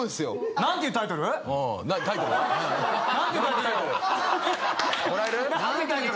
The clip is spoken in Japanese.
何ていうタイトルよ？